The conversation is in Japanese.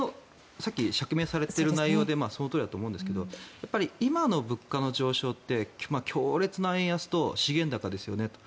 さっき釈明されている内容でそのとおりだと思うんですがやっぱり今の物価の上昇って強烈な円安と資源高ですよねと。